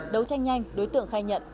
đấu tranh nhanh đối tượng khai nhận